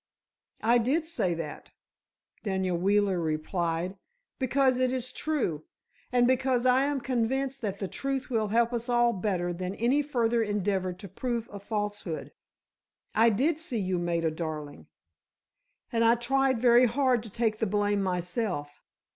"I did say that," Daniel Wheeler replied, "because it is true. And because I am convinced that the truth will help us all better than any further endeavor to prove a falsehood. I did see you, Maida darling, and I tried very hard to take the blame myself.